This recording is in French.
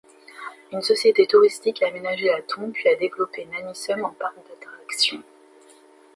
Une société touristique a aménagé la tombe, puis a développé Namisum en parc d'attractions.